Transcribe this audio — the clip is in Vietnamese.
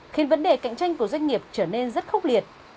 khiến vấn đề cạnh tranh của doanh nghiệp trở nên rất khốc liệt